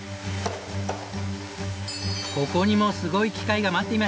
ここにもすごい機械が待っていました。